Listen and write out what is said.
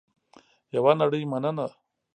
یوه نړۍ مننه